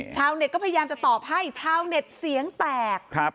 ชาวเน็ตก็พยายามจะตอบให้ชาวเน็ตเสียงแตกครับ